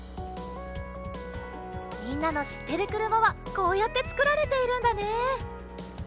みんなのしってるくるまはこうやってつくられているんだね。